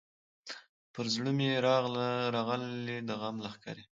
پر زړه مي راغلې د غم لښکري